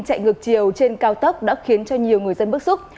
chạy ngược chiều trên cao tốc đã khiến cho nhiều người dân bức xúc